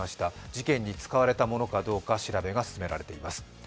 事件に使われたものかどうか調べが進められています。